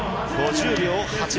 ５０秒８６。